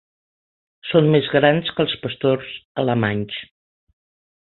Són més grans que els pastors alemanys.